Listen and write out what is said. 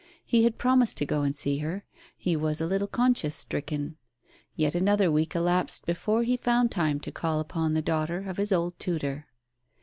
He had promised to go and see her. He was a little con science stricken. Yet another week elapsed before he found time to call upon the daughter of his old tutor.